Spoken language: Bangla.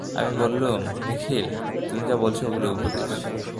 আমি বললুম, নিখিল, তুমি যা বলছ ওগুলো উপদেশ।